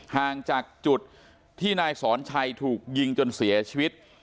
ห่างจากจุดที่นายสอนชัยถูกยิงจนเสียชีวิต